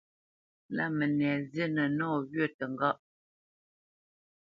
Lâ mənɛ zínə nɔwyə̂ təŋgá.